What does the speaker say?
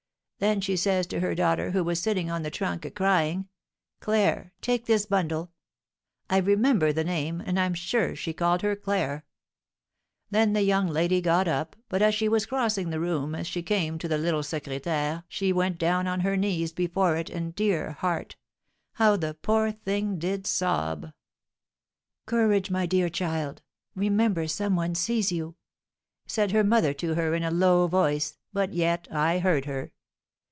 Then she says to her daughter, who was sitting on the trunk a crying, 'Claire, take this bundle.' I remember her name, and I'm sure she called her Claire. Then the young lady got up, but, as she was crossing the room, as she came to the little secrétaire she went down on her knees before it, and, dear heart! how the poor thing did sob! 'Courage, my dear child; remember some one sees you,' said her mother to her, in a low voice, but yet I heard her.